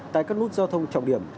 tại các nút giao thông trọng điểm